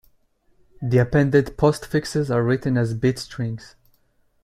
The appended postfixes are written as bit strings.